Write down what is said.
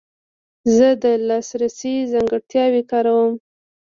زه د لاسرسي ځانګړتیاوې کاروم.